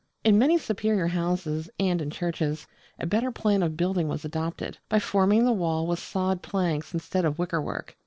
In many superior houses, and in churches, a better plan of building was adopted, by forming the wall with sawed planks instead of wickerwork.